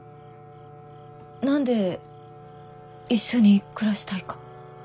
何で一緒に暮らしたいか。